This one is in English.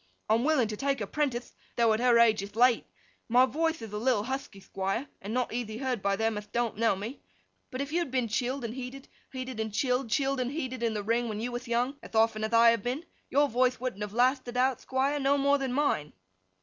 I'm willing to take her prentith, though at her age ith late. My voithe ith a little huthky, Thquire, and not eathy heard by them ath don't know me; but if you'd been chilled and heated, heated and chilled, chilled and heated in the ring when you wath young, ath often ath I have been, your voithe wouldn't have lathted out, Thquire, no more than mine.